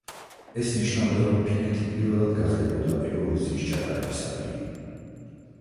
ეს ნიშნავდა, რომ ფინეთი პირველად გახდებოდა ევროვიზიის ჩატარების ადგილი.